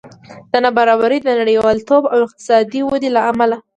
دا نابرابري د نړیوالتوب او اقتصادي ودې له امله ده